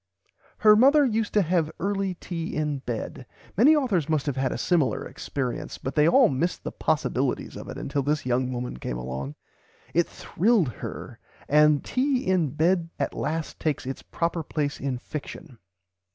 "Her mother used to have early tea in bed." Many authors must have had a similar experience, but they all missed the possibilities of it until this young woman came along. It thrilled her; and tea in [Pg ix] bed at last takes its proper place in fiction.